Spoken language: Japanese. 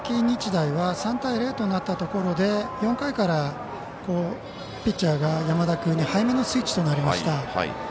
日大は３対０となったところで４回からピッチャーが山田君に早めのスイッチとなりました。